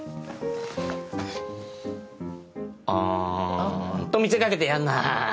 あん。と見せかけてやんない。